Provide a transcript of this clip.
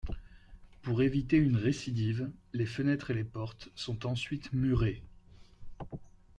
Pour éviter une récidive, les fenêtres et les portes sont ensuite murées.